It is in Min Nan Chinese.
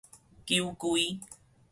九歸